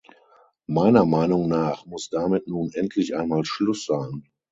Meiner Meinung nach muss damit nun endlich einmal Schluss sein.